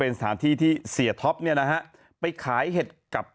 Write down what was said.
เนต